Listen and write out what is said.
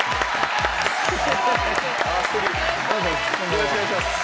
よろしくお願いします。